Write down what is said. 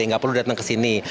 nggak perlu datang kesini